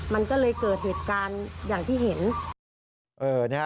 มันก็เลยเกิดเหตุการณ์อย่างที่เห็น